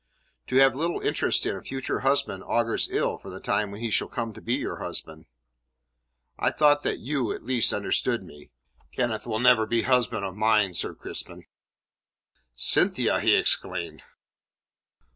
"To have little interest in a future husband augurs ill for the time when he shall come to be your husband." "I thought that you, at least, understood me. Kenneth will never be husband of mine, Sir Crispin." "Cynthia!" he exclaimed.